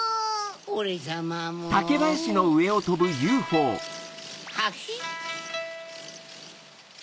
オレさまも。ハヒ？